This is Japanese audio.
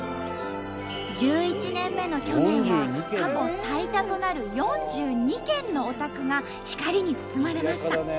１１年目の去年は過去最多となる４２軒のお宅が光に包まれました。